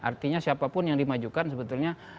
artinya siapapun yang dimajukan sebetulnya